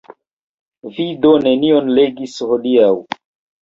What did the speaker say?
Vi do nenion legis hodiaŭ?